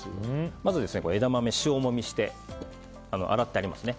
まず、枝豆を塩もみして洗ってありますね。